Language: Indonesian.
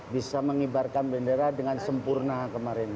bisa mengibarkan bendera dengan sempurna kemarin